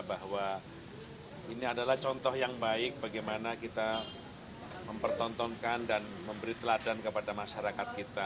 bahwa ini adalah contoh yang baik bagaimana kita mempertontonkan dan memberi teladan kepada masyarakat kita